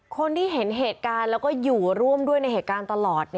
คนที่เห็นเหตุการณ์แล้วก็อยู่ร่วมด้วยในเหตุการณ์ตลอด